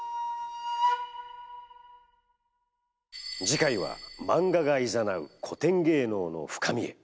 次回はマンガがいざなう古典芸能の深みへ。